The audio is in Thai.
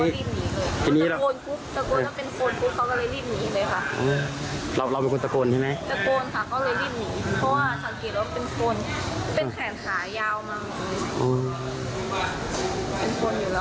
ถอยสามสี่รอบข้ามันไม่ดุดเขาเลยใช้มือเกี่ยวออกอ๋อ